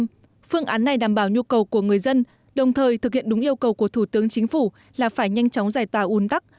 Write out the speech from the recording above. tuy nhiên phương án này đảm bảo nhu cầu của người dân đồng thời thực hiện đúng yêu cầu của thủ tướng chính phủ là phải nhanh chóng giải tỏa un tắc